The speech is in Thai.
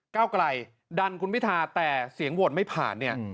เก้าไกลดันคุณพิธาแต่เสียงโหวตไม่ผ่านเนี่ย